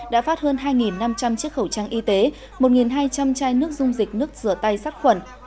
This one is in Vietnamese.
đã phát hơn hai năm trăm linh chiếc khẩu trang y tế một hai trăm linh chai nước dung dịch nước rửa tay sát khuẩn